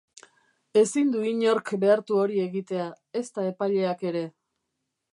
Ezin du inork behartu hori egitea, ezta epaileak ere.